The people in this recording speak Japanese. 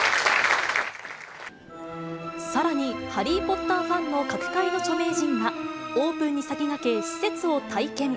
さらに、ハリー・ポッターファンの各界の著名人が、オープンに先駆け、施設を体験。